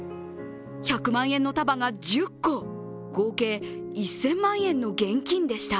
１００万円の束が１０個、合計１０００万円の現金でした。